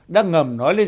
đã ngầm nói lên